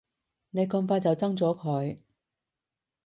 你咁快就憎咗佢